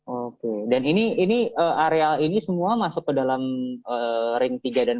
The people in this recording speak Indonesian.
oke dan ini ini areal ini semua masuk ke dalam ring tiga dan empat ikn ya bang